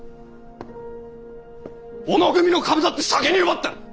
小野組の株だって先に奪った！